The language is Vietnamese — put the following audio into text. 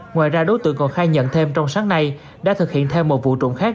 ngoài ra đối tượng còn khai nhận thêm trong sáng nay đã thực hiện thêm một vụ trộm khác